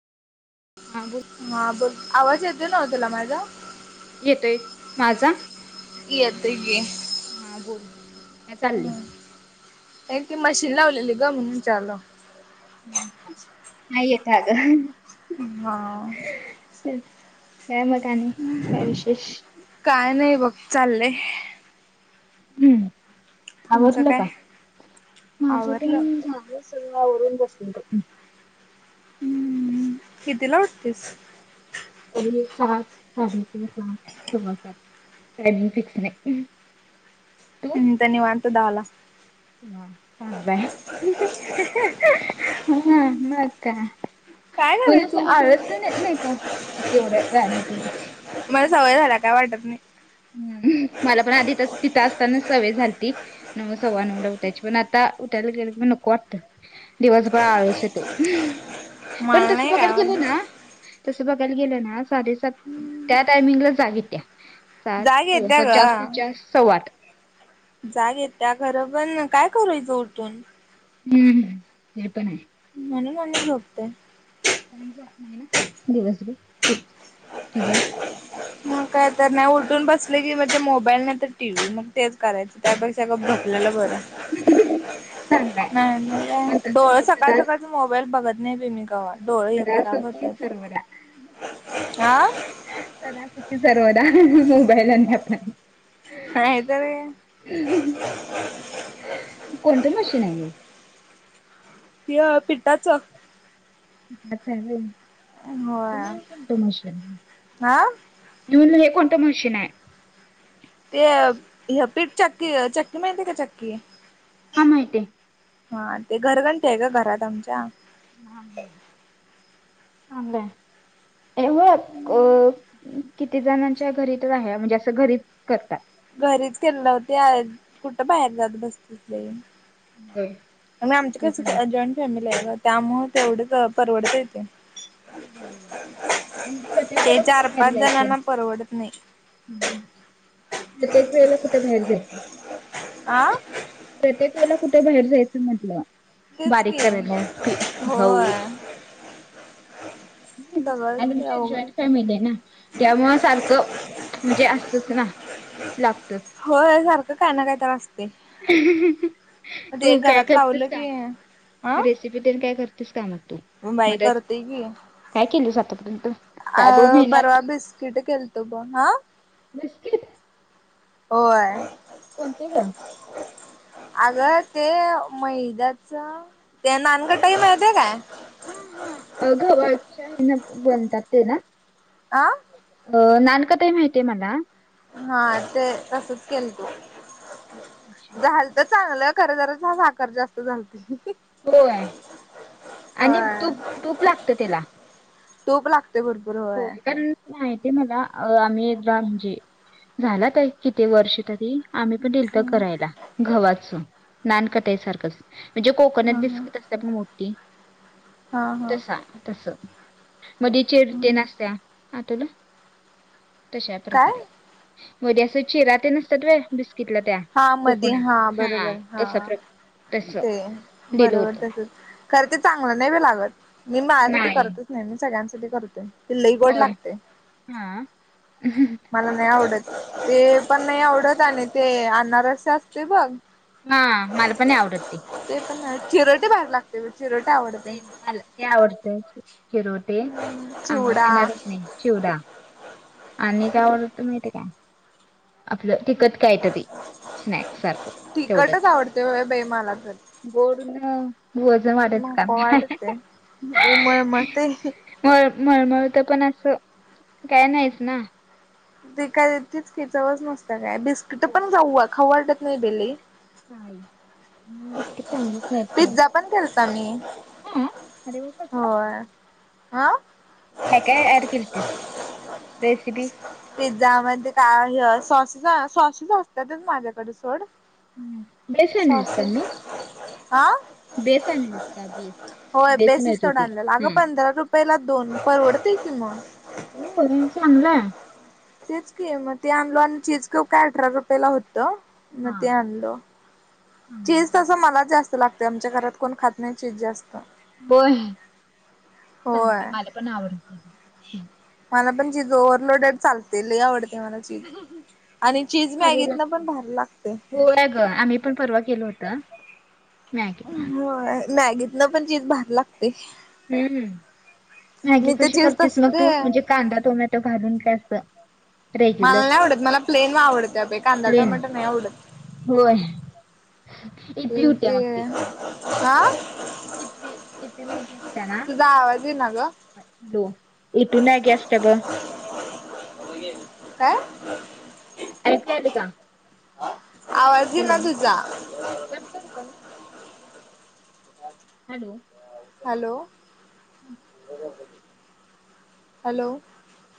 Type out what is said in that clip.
हा बोल. हा बोल आवाज येतो ना व तुला माझा. येतोय. माझा [unintelligible] हा बोल, म्या चालली. एक ती मशीन लावलेली ग म्हणून विचारलं. हा नाही येत आहे अग. हा काय मग आणि काय विशेष. काय नाही बघ, चाललंय. हम्म तुमचं आवरलं काय का? माझ पण आवरलं झा सगळं आवरून बसली. हम्म कितीला ऊठतेस. अ सात साडे सात सव्वा सात टायमिंग फिक्स नाही. तू? मी निवांत दहाला. वा चांगल आहे. [unintelligible] हा मग काय काय पण करायचं असे उठून आळस पण येत नाही का? असे राणी तुम्ही. मला सवय झाला, काय वाटत नाही. हम्म मला पण आधी तस, तिथं असताना सवय झालती, नऊ सव्वा नऊ ला उठायची. पण आता उठायला गेले पण नको वाटतं. दिवसभर आळस यतो, पण मला तस नाही काय बघायला गेलं ना, वाटत तसं बघायला गेलं ना साडेसात, त्या टायमिंगला जाग येत्या, सात जाग येत्या सव्वा जास्ती ग जास्त सव्वा आठ, जाग येतेया खरं, पण काय करूयचं उठून, हम्म हम् हे पण आहे, [unintelligible] त्यां नाही ना दिवसभर तू तुझा, मग काय तर नाही, उलटून बसले की म्हणजे मोबाईल नाही, तर टी व्ही मग तेच करायच, त्यापेक्षा गप झोपलेलं बरं. चांगल आहे नाही नाही डोळ सकाळ सदा सकाळच मोबाईल बघत, नाही बाई मी कवा, डोळे हे सदा खराब होत. सुखी सर्वदा सदा सुखी सर्वदा, मोबाईल आणि आपण, नाही तर काय, [unintelligible] [unintelligible] य पिठ्टाचं, ह चाले होय म्हण ये कोणतो मशी, मी हा म्हण्टलं हे, कोणतं मशीन आहे. ते पीठ चक्की चक्की माहिती, का चक्की हां माहिती आहे, हा ते घरगंठ आहे, का घरात आमच्या, हा ह अ, क [unintelligible] किती जणांच्या घरी तर रा म्हणजे, असं घरीच करतात. घरीच केले नव्हते कुठं, बाहेर जात बस तीस बाई, ह [unintelligible] मग आमच्या कस जॉइंट, फॅमिली आहे ग त्यामुळं तेवढंच परवडत ते, बरोबर आणि ते सध्या, कुठं चार बाहेर पाच जायचं. जणांना परवडत नाही, प्रत्येक वेळ ला कुठे बाहेर जायचं, आ? प्रत्येक वेला कुठे बाहेर जायचं म्हटलं, तेच की बारीक केली होय भाऊ, ह् सगळंच आणि ते तुमची अवघड जॉईंट फॅमिली आहे, ना त्यामु सारखं, म्हणजे असतच ना, लागत, हो सारखं काय, ना काय तर असते, [unintelligible] तू काय लावलं करतेस का, की अं रेसिपी तेन काय करतेस, का मग तू? मग बाई मदत करते की, काय केलंस आतापर्यंत, ह्या दोन अह महिन्यात परर्वा बिस्किट केल्त ब हा, बिस्कीट, होय, कोणते ग, [unintelligible] अगं ते मैद्याच ते, नानकट्टाहीमाहिती काय, ह ह घवाच्या हेन, बनतात ते ना, हा, अ नानकटाई माहितीय मला, हा ते तसच केल तू अच्छा. झाल, चांगलं खर जरच हा साख जास्त झालते, होय आणि तूक होय तूप लागत त्याला टूपला बरोबर. हो कारण माहती आहे मला आम्ही एकदा म्हणजे झाला का किती वर्ष तरी आम्ही पण दिलत हम्म करायला गवा्हाचो नानकटाईसारखंच म्हणजे हा कोकोनट हा बिस्किट ण मोठी हा हा तसा तस मध्येचेर ते हम्म नसत्या आ तुला तशा काय प्रकारे वध्ये अस चिरात नसतात व ब किलं त्या हा मध कोकोनट हा बरोबर हा तसा प्रकार तस ते दिलं बरोबर होतं तसच खर ते चांगलं नाही ब लागत मी माझ्यासाठी करतच नाही मी सगळ्यांसाठी करते. ते लईवड होय लागते. हा. मला नाही आवडत ते पण नाही आवडत आणि ते आणणार असे असते बघ. हा मला पण आवडतते. ते पण चिरटी भाग लागते. चिरोटे आवडते स मला ते आवडत शिरोट आणि चिवडा अनारस नाही. शिवडा आणि कायवडत माती का आपलं तिकट काय तरी स्नाक्सारख चोढ तिखटच आवडते बाई मला तर गोडून वजन वाढायचं काम उमर म ते मळ मळमळत पण असं काय नाहीच ना. ते काय तेच खेचवच नसतं काय बिस्किट होय पण जाऊ खा वाटत नाही बेली. हा. पिझ्झा पण केलता मी हा. अरे वा कसला? होय ह. ह का अड किर्तीस रेसिपी पिझ्झा मध्ये काय सॉसेस सॉसेस असतातच माझ्याकडे सोड. हम् बेसला मिसण सॉसेस हा होय बेस बेसस मिळत तेवडं होती आण अगं हम्म. पंधरा रुपय पहिला दोन परवडत कि मग हो चांगलाय. तेच क मग ते आणलो आणि तेच क काय अठरा रुपयेला होतं मग हा ते आणल. चीज तसं मला जास्त लागते आमच्या घरात कोण खात नाही चीज जास्त बय चांग होय. मला पण आवडत. ते. मला पण जिथ ओव्हलोडेड चालते ल आव. ते मला चीज आणि चीज मॅगेत ना पण भर लागते. हो ग आम्ही पण परवा केलो होत मी मॅगीत ना पण चीज भार लागते. हम्म मॅगी मी तर कशी चीज करतेस तसच मग ते तू म्हणजे कांदा टोमॅटो घालून का अस. मला नाही आवडत मला प्लेन आवडत कांदा प्लेन टोमॅटो नाही आवडत. होय इ पि ुट्या मक्ली आं. इपि इपि मेनचस्ना तुझा आवाज आहे ना ग. हॅलो इ पिमॅगे असष्ट ब आ. ऐकू आले का आवाज येईना हॅलो तुझा क करू का मी अ हॅलो, हॅलो, ह हॅलो,